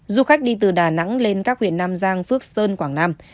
du khách đi từ đà nẵng lên các huyện nam giang phước sơn quảng nam